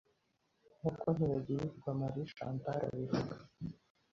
nk’uko Ntibagirirwa Marie Chantal abivuga